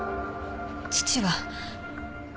父は。